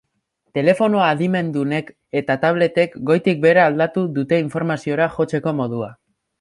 Telefono adimendunek eta tabletek goitik behera aldatu dute informaziora jotzeko modua.